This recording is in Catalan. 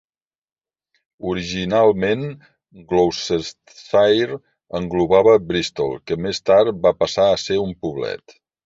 Originalment, Gloucestershire englobava Bristol, que més tard va passar a ser un poblet.